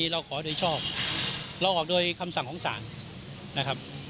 เราขอโดยชอบเราออกโดยคำสั่งของศาลนะครับ